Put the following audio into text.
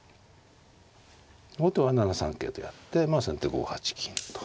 後手は７三桂とやってまあ先手５八金と。